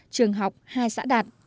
trường học hai xã đạt